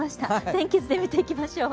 天気図で見ていきましょう。